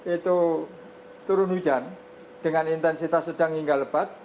itu turun hujan dengan intensitas sedang hingga lebat